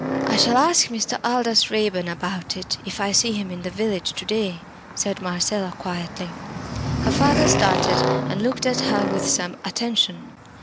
"I shall ask Mr. Aldous Raeburn about it, if I see him in the village to day," said Marcella, quietly. Her father started, and looked at her with some attention.